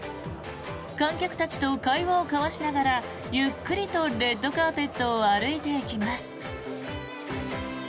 観客たちと会話を交わしながらゆっくりとレッドカーペットを歩いていきます。